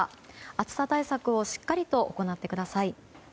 暑さ対策をしっかりと行ってください。